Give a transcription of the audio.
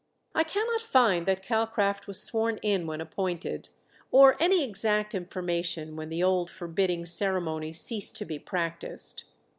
I cannot find that Calcraft was sworn in when appointed, or any exact information when the old forbidding ceremony ceased to be practised.